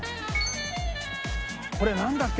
これなんだっけ？